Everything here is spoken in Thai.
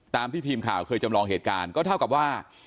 ตามที่ทีมข่าวเคยจำลองเหตุการณ์ก็เท่ากับว่า